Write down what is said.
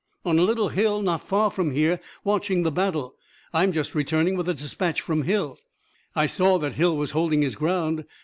"On a little hill not far from here, watching the battle. I'm just returning with a dispatch from Hill." "I saw that Hill was holding his ground."